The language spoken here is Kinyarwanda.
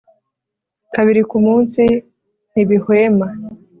kabiri ku munsi, ntibihwema.